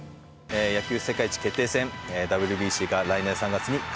野球世界一決定戦ＷＢＣが来年３月に開幕します。